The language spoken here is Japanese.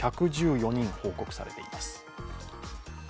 １１４人報告されています。